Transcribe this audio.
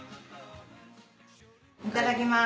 いただきます。